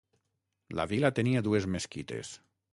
La vila tenia dues mesquites.